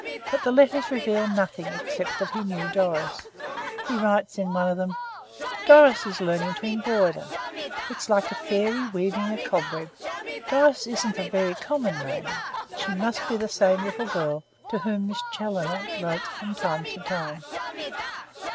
But the letters reveal nothing except that he knew Doris. He writes in one of them: 'Doris is learning to embroider. It's like a fairy weaving a cobweb!' Doris isn't a very common name. She must be the same little girl to whom Miss Challoner wrote from time to time."